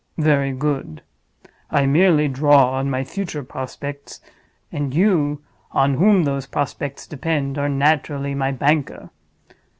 Very good. I merely draw on my future prospects; and you, on whom those prospects depend, are naturally my banker.